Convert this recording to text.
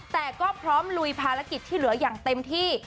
แต่ก็พร้อมลุยภารกิจที่เหลืออย่างเต็มที่